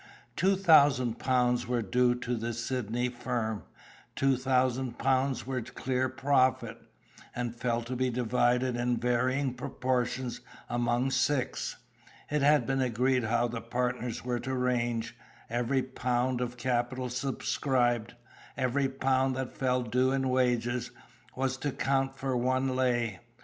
Two thousand pounds were due to the Sydney firm: two thousand pounds were clear profit, and fell to be divided in varying proportions among six. It had been agreed how the partners were to range; every pound of capital subscribed, every pound that fell due in wages, was to count for one "lay."